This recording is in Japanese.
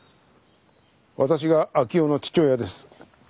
私が明生の父親です。